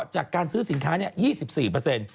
จากการซื้อสิงคัน